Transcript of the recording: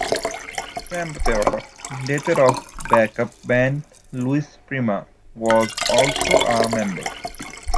Sam Butera, later of the back-up band for Louis Prima was also a member.